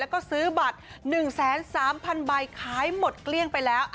แล้วก็ซื้อบัตร๑๓๐๐๐ใบขายหมดเกลี้ยงไปแล้ว